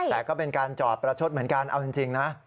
แต่ก็เป็นการจอดประชดเหมือนกันเอาจริงนะ